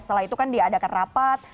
setelah itu kan diadakan rapat